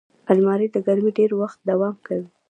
الماري له لرګي ډېر وخت دوام کوي